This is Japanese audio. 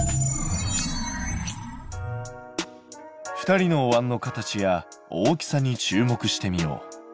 ２人のおわんの形や大きさに注目してみよう。